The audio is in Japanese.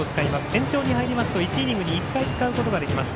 延長に入りますと１イニングに１回使うことができます。